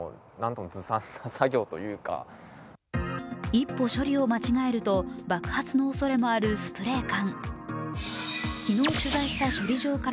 一歩処理を間違えると爆発のおそれもあるスプレー缶。